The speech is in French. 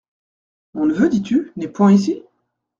Mon neveu, dis-tu, n’est point ici ?